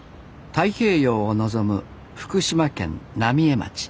太平洋を望む福島県浪江町。